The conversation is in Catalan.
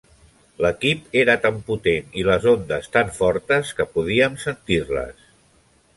L"equip era tan potent i les ondes tan fortes que podíem sentir-les.